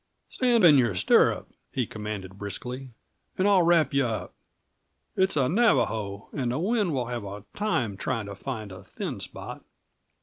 "Stand in your stirrup," he commanded briskly "and I'll wrap you up. It's a Navajo, and the wind will have a time trying to find a thin spot."